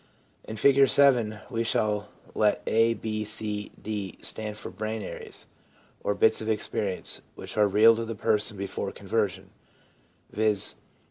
In Figure 7 we shall let A, B, C, D stand for brain areas, or bits of experience which are real to the person before conver sion, viz.